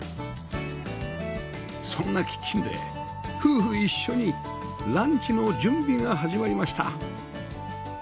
そんなキッチンで夫婦一緒にランチの準備が始まりました